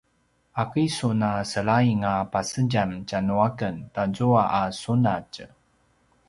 ’aki sun a selaing a pasedjam tjanuaken tazua a sunatj?